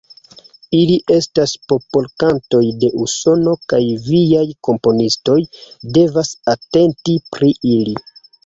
Ili estas popolkantoj de Usono kaj viaj komponistoj devas atenti pri ili.